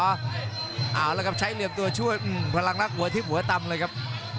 พลังลักษณ์หัวทิ้งหัวตำกับชัยเหลี่ยมตัวช่วยครับ